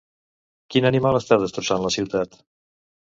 Quin animal està destrossant la ciutat?